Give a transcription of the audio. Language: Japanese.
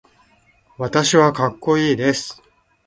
私はかっこいいです。